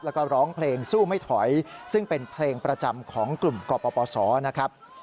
แล้วก็ร้องเพลงสู้ไม่ถอยซึ่งเป็นเพลงประจำของกลุ่มกปศนะครับ